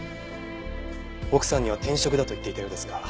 奥さんには転職だと言っていたようですが。